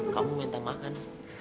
kamu minta makan